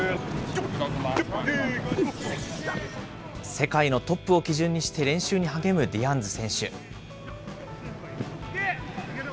世界のトップを基準にして練習に励むディアンズ選手。